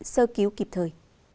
sơ cứu kịp thời